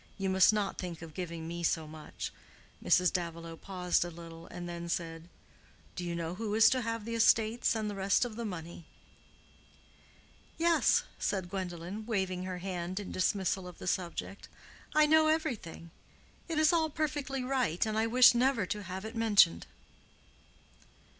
You must not think of giving me so much." Mrs. Davilow paused a little, and then said, "Do you know who is to have the estates and the rest of the money?" "Yes," said Gwendolen, waving her hand in dismissal of the subject. "I know everything. It is all perfectly right, and I wish never to have it mentioned."